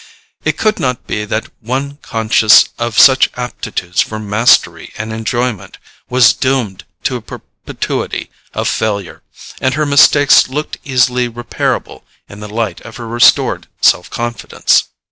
It could not be that one conscious of such aptitudes for mastery and enjoyment was doomed to a perpetuity of failure; and her mistakes looked easily reparable in the light of her restored self confidence.